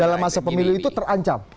dalam masa pemilu itu terancam